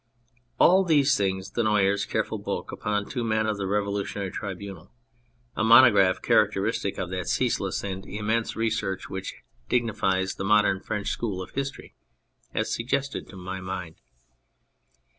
All these things Dunoyer's careful book upon two men of the Revolutionary Tribunal, a monograph characteristic of that ceaseless and immense research 52 On the Effect of Time which dignifies the modern French School of History, has suggested to my mind.